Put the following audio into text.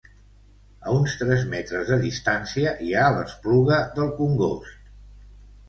A uns tres metres de distància hi ha l'Espluga del Congost.